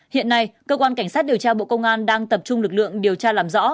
hiện nay cơ quan cảnh sát điều tra bộ công an đang tập trung lực lượng điều tra làm rõ